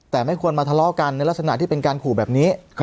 แต่ไม่ควรมาทะเลาะกันในลักษณะที่เป็นการขู่แบบนี้